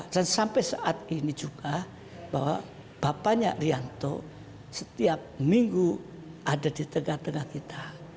dan sampai saat ini juga bahwa bapaknya rianto setiap minggu ada di tengah tengah kita